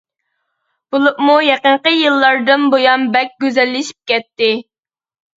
بولۇپمۇ يېقىنقى يىللاردىن بۇيان بەك گۈزەللىشىپ كەتتى.